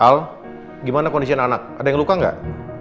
al gimana kondisi anak ada yang luka gak